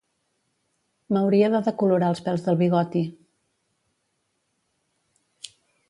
M'hauria de decolorar els pèls del bigoti